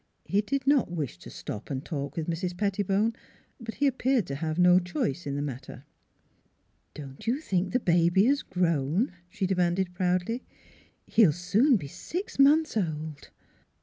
He did not wish to stop and talk with Mrs. Petti bone; but he appeared to have no choice in the matter. " Don't you think the baby has grown? " she 266 NEIGHBORS 267 demanded proudly. " He'll soon be six months old!"